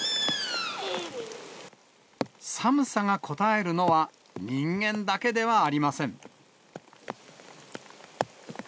寒さがこたえるのは人間だけではありません。